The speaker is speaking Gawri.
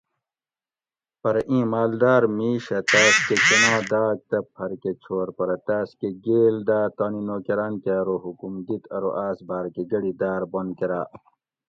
پرہ اِیں ماۤلداۤر مِیش اۤ تاۤس کہ کنا داۤگ تہ پھر کہ چھور پرہ تاۤس کہ گیل داۤ تانی نوکراۤن کہ ارو حکم دِت ارو آۤس باۤر کہ گڑی داۤر بند کراۤ